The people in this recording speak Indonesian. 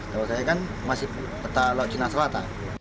kalau saya kan masih peta laut cina selatan